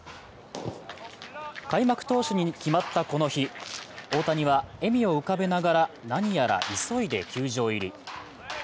開幕投手に決まったこの日、大谷は笑みを浮かべながら何やら急いで球場入り。